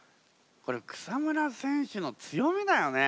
これ草村選手の強みだよね。